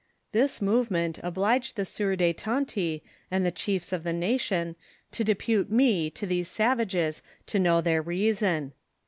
This movement obliged the sieur de Tonty and the chiefs of the nation to depute me to these savages to know their reason.